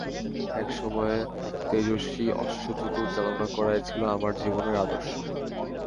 এক সময়ে তেজস্বী অশ্বযুগল চালনা করাই ছিল আমার জীবনের আদর্শ।